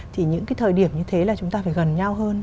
thì những cái thời điểm như thế là chúng ta phải gần nhau hơn